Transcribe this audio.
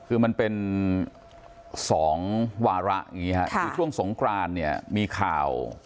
คือมันเป็นสองวาระอย่างนี้ครับอยู่ช่วงสงครานมีข่าว